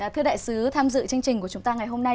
thưa đại sứ tham dự chương trình của chúng ta ngày hôm nay